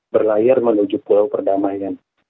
berlayar menuju pulau perdamaian